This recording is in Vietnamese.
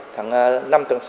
tháng năm tháng sáu